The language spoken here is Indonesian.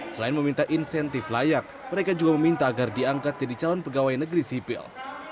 selain meminta insentif layak mereka juga meminta agar diangkat jadi calon pegawai negeri sipil